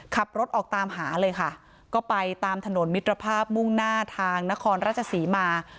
ขับรถออกตามหาเลยค่ะก็ไปตามถนนมิตรภาพมุ่งหน้าทางนครราชศรีมา